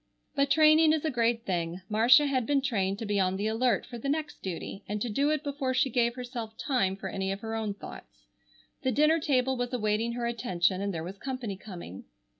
But training is a great thing. Marcia had been trained to be on the alert for the next duty and to do it before she gave herself time for any of her own thoughts. The dinner table was awaiting her attention, and there was company coming.